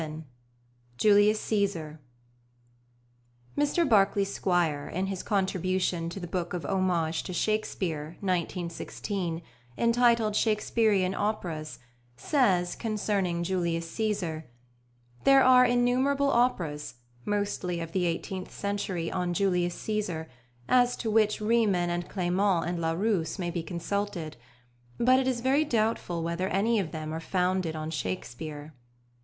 JULIUS CÆSAR Mr Barclay Squire, in his contribution to the Book of Homage to Shakespeare, 1916, entitled "Shakespearian Operas," says concerning Julius Cæsar: "There are innumerable operas, mostly of the eighteenth century, on Julius Cæsar, as to which Riemann and Clément and Larousse may be consulted; but it is very doubtful whether any of them are founded on Shakespeare."